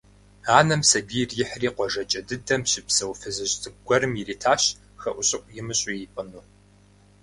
Анэм сабийр ихьри къуажэкӀэ дыдэм щыпсэу фызыжь цӀыкӀу гуэрым иритащ хэӀущӀыӀу имыщӀу ипӀыну.